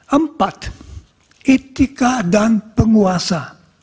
empat etika dan penguasa